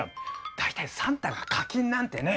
大体サンタが課金なんてね！